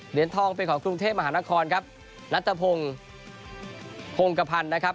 เหรียญทองเป็นของกรุงเทพมหานครครับนัทพงศ์พงกระพันธ์นะครับ